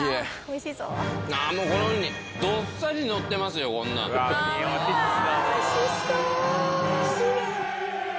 あこのウニどっさりのってますよこんなん。